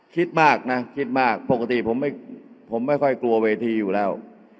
คิดมากนะคิดมากปกติผมไม่ค่อยกลัวเวทีอยู่แล้ว